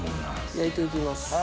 焼いて行きます。